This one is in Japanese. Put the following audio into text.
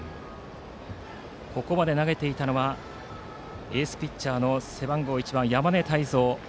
ここまで投げていたのはエースピッチャーの背番号１番、山根汰三。